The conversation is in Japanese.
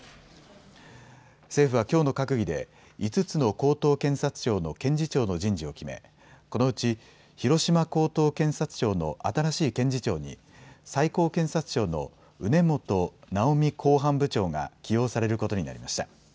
政府はきょうの閣議で５つの高等検察庁の検事長の人事を決め、このうち広島高等検察庁の新しい検事長に最高検察庁の畝本直美公判部長が起用されることになりました。